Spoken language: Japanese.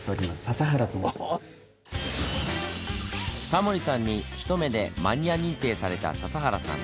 タモリさんに一目でマニア認定された笹原さん。